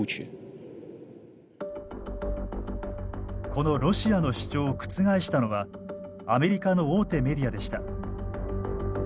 このロシアの主張を覆したのはアメリカの大手メディアでした。